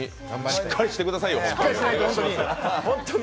しっかりしてくださいよ、本当に。